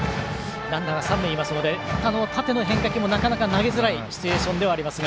ランナーが三塁にいますので縦の変化球もなかなか投げづらいシチュエーションですが。